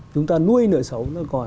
chúng ta nuôi nợ xấu